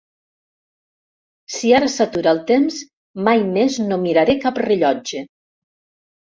Si ara s'atura el temps mai més no miraré cap rellotge.